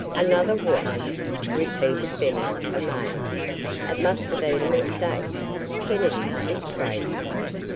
"Another watch?" repeated Bennett, amazed. "It must have been a mistake. Kennedy is crazy."